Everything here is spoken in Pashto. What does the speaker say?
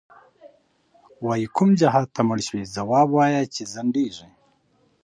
وایې کوم جهادته مړ شوی، ځواب وایه چی ځندیږی